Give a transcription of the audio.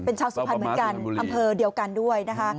เป็นชาวสุพรรณเหมือนกันอำเภอเดียวกันด้วยนะคะ